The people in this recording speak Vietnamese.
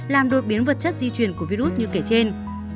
làm đột biến vật chất di chuyển của virus như kể trên